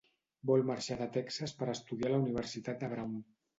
Vol marxar de Texas per estudiar a la Universitat de Brown.